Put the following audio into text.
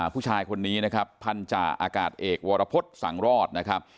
ผู้ชายคนนี้นะครับพันธาอากาศเอกวรพฤษสังรอดนะครับ